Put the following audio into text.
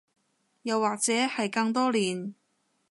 又或者係更多年